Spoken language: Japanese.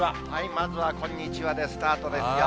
まずはこんにちはでスタートですよ。